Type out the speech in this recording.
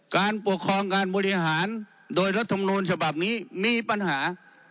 การปกครองการบริหารโดยรัฐมนูลฉบับนี้มีปัญหา